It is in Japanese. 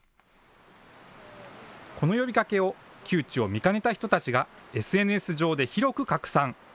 この呼びかけを、窮地を見かねた人たちがＳＮＳ上で広く拡散。